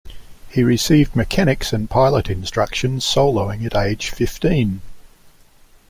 He received mechanics and pilot instruction, soloing at age fifteen.